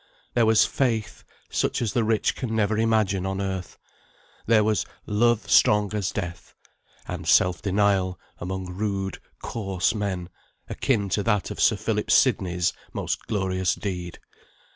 There was Faith such as the rich can never imagine on earth; there was "Love strong as death;" and self denial, among rude, coarse men, akin to that of Sir Philip Sidney's most glorious deed.